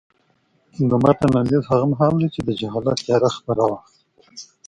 د متن لنډیز هغه مهال دی چې د جهالت تیاره خپره وه.